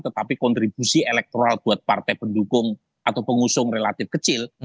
tetapi kontribusi elektoral buat partai pendukung atau pengusung relatif kecil